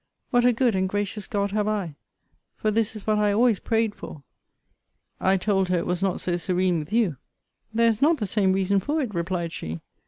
What a good and gracious God have I! For this is what I always prayed for. I told her it was not so serene with you. There is not the same reason for it, replied she.